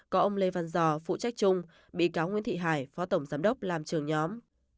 có ông lê văn giò phụ trách chung bị cáo nguyễn thị hải phó tổng giám đốc làm trường nhóm